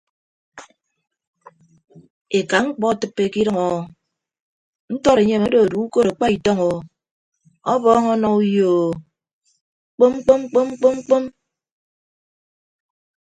Eka mkpọ atịppe ke idʌñ o ntọd enyem odo edue ukod akpa itọñ o ọbọọñ ọnọ uyo o kpom kpom kpom kpom kpom.